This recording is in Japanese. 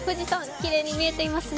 きれいに見えていますね。